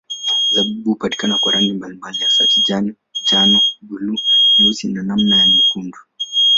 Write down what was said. Zabibu hupatikana kwa rangi mbalimbali hasa kijani, njano, buluu, nyeusi na namna za nyekundu.